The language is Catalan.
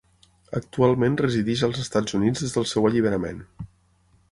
Actualment resideix als Estats Units des del seu alliberament.